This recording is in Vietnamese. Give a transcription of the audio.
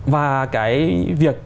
và cái việc